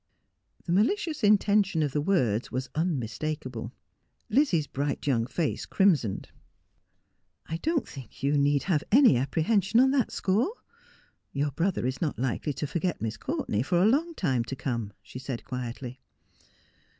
The malicious intention of the words was unmistakable. Lizzie's bright young face crimsoned. ' I doht think you need have any apprehension on that score. Your brother is not likely to forget Miss Courtenay for a long time to come,' she said quietly.